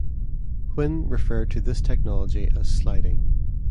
Quinn referred to this technology as sliding.